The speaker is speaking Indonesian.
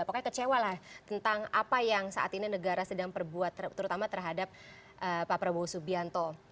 pokoknya kecewa lah tentang apa yang saat ini negara sedang perbuat terutama terhadap pak prabowo subianto